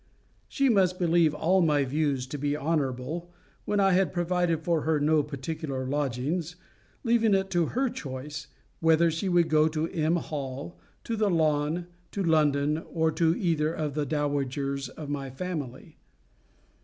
She must believe all my views to be honourable, when I had provided for her no particular lodgings, leaving it to her choice, whether she would go to M. Hall, to The Lawn, to London, or to either of the dowagers of my family.